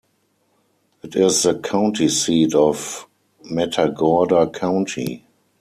It is the county seat of Matagorda County.